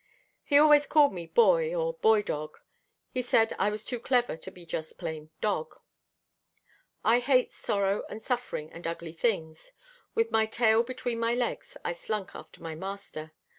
He always called me Boy or Boy Dog. He said I was too clever to be just plain dog. I hate sorrow and suffering and ugly things. With my tail between my legs, I slunk after my master.